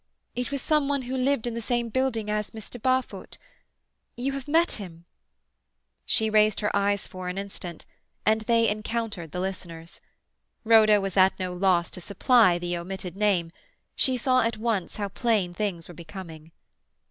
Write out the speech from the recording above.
It was some one who lived in the same building as Mr. Barfoot. You have met him—" She raised her eyes for an instant, and they encountered the listener's. Rhoda was at no loss to supply the omitted name; she saw at once how plain things were becoming.